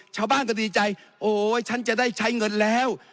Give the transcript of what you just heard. ชาวบ้านก็ดีใจโอ๊ยฉันจะได้ใช้เงินแล้ว